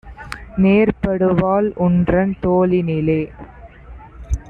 நேர்படுவாள் உன்றன் தோளினிலே!